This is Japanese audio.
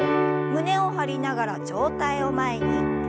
胸を張りながら上体を前に。